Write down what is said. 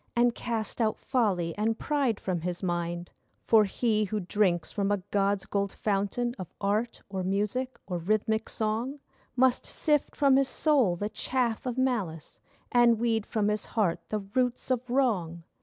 And cast out folly and pride from his mind. For he who drinks from a god's gold fountain Of art or music or rhythmic song Must sift from his soul the chaff of malice, And weed from his heart the roots of wrong.